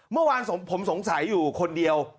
เมื่อวานผมสงสัยอยู่คนเดียว